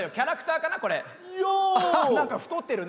ああ何か太ってるね。